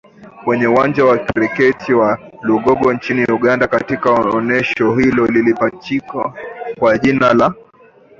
kwenye Uwanja wa Kriketi wa Lugogo nchini Uganda Katika onesho hilo lililopachikwa jina la